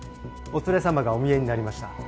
お連れ様がお見えになりました。